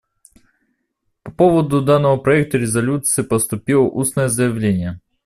По поводу данного проекта резолюции поступило устное заявление.